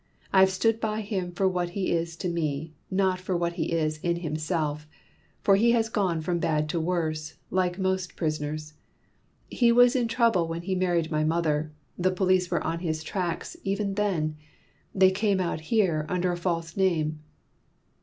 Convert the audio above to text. I've stood by him for what he is to me, not for what he is in himself, for he has gone from bad to worse, like most prisoners. He was in trouble when he married my mother; the police were on his tracks even then: they came out here under a false name."